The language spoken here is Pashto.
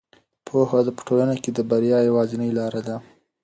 پوهه په ټولنه کې د بریا یوازینۍ لاره ده.